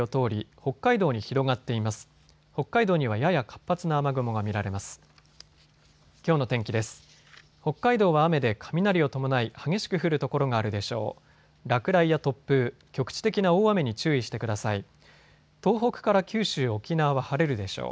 北海道は雨で雷を伴い激しく降る所があるでしょう。